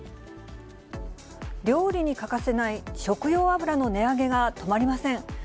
料理に欠かせない食用油の値上げが止まりません。